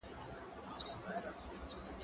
زه به اوږده موده کتابونه وړلي وم؟